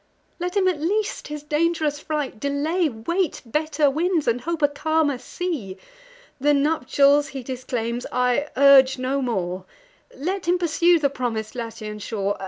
Let him at least his dang'rous flight delay, Wait better winds, and hope a calmer sea. The nuptials he disclaims I urge no more: Let him pursue the promis'd Latian shore.